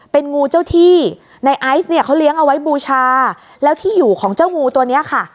เป็นงูเจ้าที่ในไอซ์เนี่ยเขาเลี้ยงเอาไว้บูชาแล้วที่อยู่ของเจ้างูตัวเนี้ยค่ะ